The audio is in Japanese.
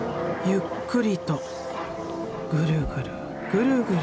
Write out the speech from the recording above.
ゆっくりとぐるぐるぐるぐる。